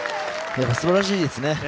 すばらしいですね。